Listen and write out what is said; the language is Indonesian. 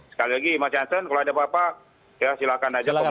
sekali lagi mas jansen kalau ada apa apa ya silakan aja komunikasi